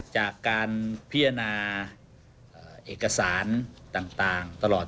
จากการพิจารณาเอกสารต่างตลอด